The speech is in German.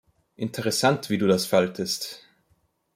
Interessant, wie du das faltest.